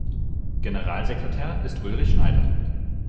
Generalsekretär ist Ulrich Schneider.